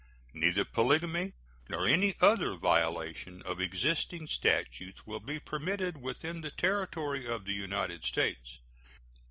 Neither polygamy nor any other violation of existing statutes will be permitted within the territory of the United States.